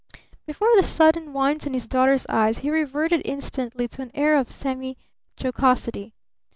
Before the sudden wince in his daughter's eyes he reverted instantly to an air of semi jocosity.